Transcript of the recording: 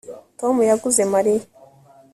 Tom yaguze Mariya